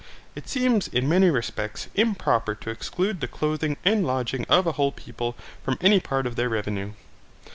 It seems in many respects improper to exclude the clothing and lodging of a whole people from any part of their revenue.